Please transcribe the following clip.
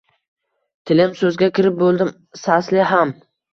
Tilim so‘zga kirib bo‘ldim sasli ham –